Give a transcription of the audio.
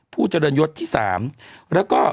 ผู้เจริญยศที่๓แล้วก็